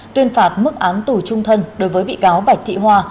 tuyên phạt mức án tù trung thân đối với bị cáo bạch thị hoa